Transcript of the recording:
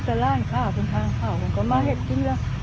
ชีวิตชายนี้ยังต้องถูกมานี่